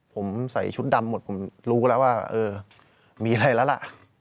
ผมใส่ชุดดำหมดผมรู้แล้วว่าเออมีอะไรแล้วล่ะ